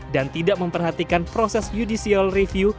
dan tidak memperhatikan proses judicial review